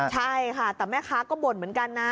ใช่ค่ะแต่แม่ค้าก็บ่นเหมือนกันนะ